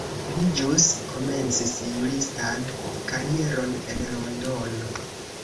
Li ĵus komencis juristan karieron en Londono.